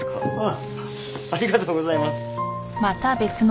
ありがとうございます。